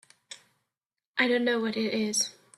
I don't know what it is.